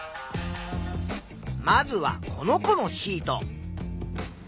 まずはこの子のシート。